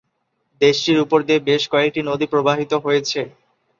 দেশটির উপর দিয়ে বেশ কয়েকটি নদী প্রবাহিত হয়েছে।